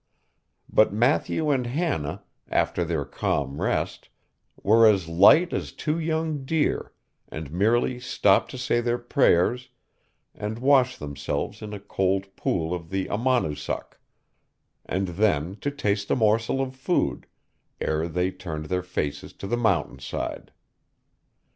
But Matthew and Hannah, after their calm rest, were as light as two young deer, and merely stopped to say their prayers and wash themselves in a cold pool of the Amonoosuck, and then to taste a morsel of food, ere they turned their faces to the mountainside.